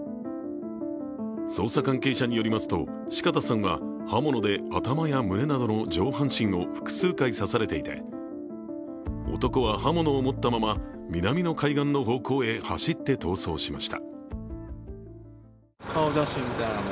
捜査関係者によりますと、四方さんは刃物で頭や胸などの上半身を複数回刺されていて男は刃物を持ったまま南の海岸の方向へ走って逃走しました。